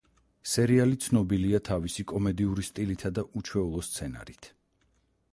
სერიალი ცნობილია თავისი კომედიური სტილითა და უჩვეულო სცენარით.